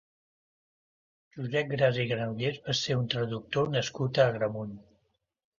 Josep Gras i Granollers va ser un traductor nascut a Agramunt.